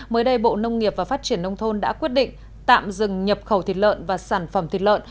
mới đây bộ nông nghiệp và phát triển nông thôn đã quyết định tạm dừng nhập khẩu thịt lợn và sản phẩm thịt lợn